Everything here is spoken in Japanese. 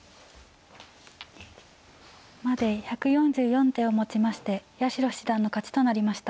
まで１４４手をもちまして八代七段の勝ちとなりました。